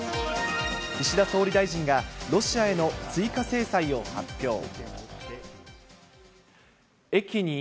岸田総理大臣が、ロシアへの追加制裁を発表。